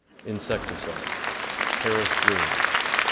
Insecticides Paris Green.